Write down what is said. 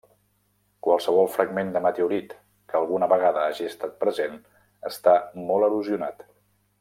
Qualsevol fragment de meteorit que alguna vegada hagi estat present està molt erosionat.